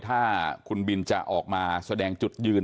ถ้าคุณบินจะออกมาแสดงจุดยืน